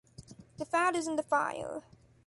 The fat is in the fire.